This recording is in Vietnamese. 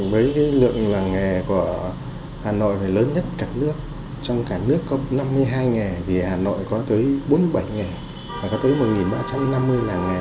với lượng làng nghề của hà nội là lớn nhất cả nước trong cả nước có năm mươi hai nghề hà nội có tới bốn mươi bảy nghề có tới một ba trăm năm mươi làng nghề